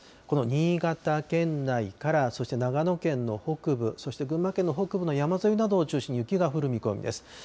この新潟県内からそして長野県の北部、そして群馬県の北部の山沿いなどを中心に雪が降る見込みです。